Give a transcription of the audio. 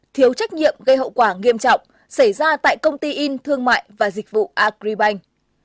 thiếu trách nhiệm gây hậu quả nghiêm trọng xảy ra tại công ty in thương mại và dịch vụ agribank